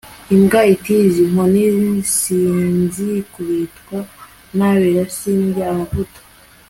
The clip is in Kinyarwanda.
imbwa iti «izo nkoni sinzikubitwa, nabera sindya amavuta»